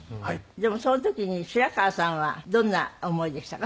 でもその時に白川さんはどんな思いでしたか？